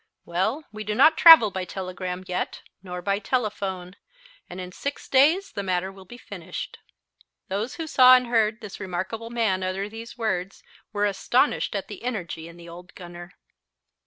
"Well, we do not travel by telegram yet, nor by the telephone, and in six days the matter will be finished." Those who saw and heard this remarkable man utter these words were astonished at the energy in the old gunner.